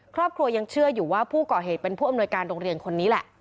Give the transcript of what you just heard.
ครอบครัวยังเชื่ออยู่ว่าผู้ก่อเหตุเป็นผู้อำนวยการโรงเรียนคนนี้แหละ